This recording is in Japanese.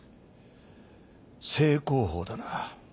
正攻法だな。